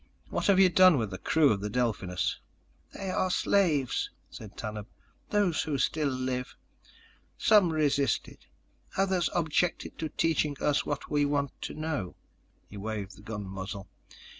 What have you done with the crew of the Delphinus?" "They are slaves," said Tanub. "Those who still live. Some resisted. Others objected to teaching us what we want to know." He waved the gun muzzle.